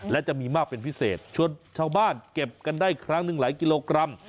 และจะมีมากเป็นพิเศษชวนชาวบ้านเก็บกันได้ครั้งหนึ่งหลายกิโลกรัม